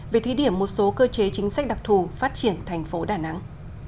về thí điểm một số cơ chế chính sách đặc thù phát triển thành phố đà nẵng